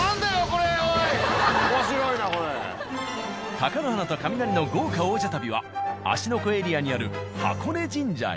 貴乃花とカミナリの豪華王者旅は芦ノ湖エリアにある箱根神社へ。